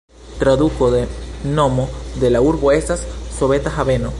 Traduko de nomo de la urbo estas "soveta haveno".